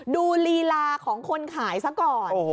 ลีลาของคนขายซะก่อน